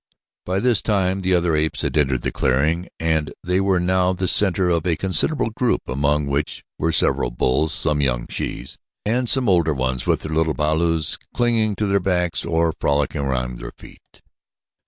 By this time other apes had entered the clearing and they were now the center of a considerable group, among which were several bulls, some young shes, and some older ones with their little balus clinging to their backs or frolicking around at their feet.